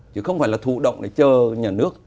chứ không phải là thụ động để chờ nhà nước